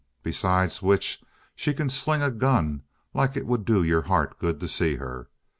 Besides which she can sling a gun like it would do your heart good to see her!